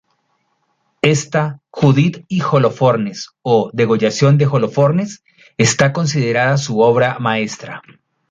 Esta "Judith y Holofernes" o "Degollación de Holofernes" está considerada su obra maestra.